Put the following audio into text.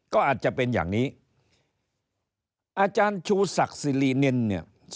ก็อาจจะเป็นอย่างนี้อาจารย์ชูศักดิ์สิรินินเนี่ย